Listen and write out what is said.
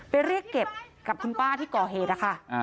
เรียกเก็บกับคุณป้าที่ก่อเหตุนะคะ